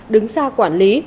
đứng xa quản lý